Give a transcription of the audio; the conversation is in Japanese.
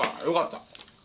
よかった。